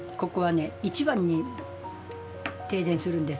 一番に停電するんですよ。